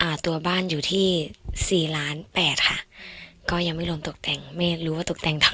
อ่าตัวบ้านอยู่ที่สี่ล้านแปดค่ะก็ยังไม่รวมตกแต่งไม่รู้ว่าตกแต่งเท่า